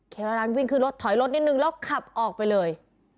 เวลารันวิ่งขึ้นรถถอยรถนิดนึงแล้วขับออกไปเลย